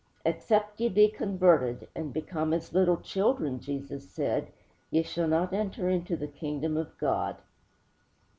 'Except ye be converted and become as little children,' Jesus said, 'ye shall not enter into the kingdom of God.'